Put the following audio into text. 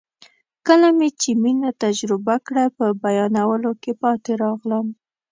کله مې چې مینه تجربه کړه په بیانولو کې پاتې راغلم.